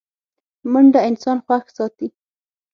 منډه انسان خوښ ساتي